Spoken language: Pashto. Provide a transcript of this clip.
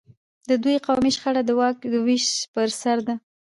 د دوی قومي شخړه د واک د وېش پر سر ده.